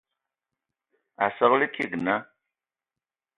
Asǝlǝg kig naa.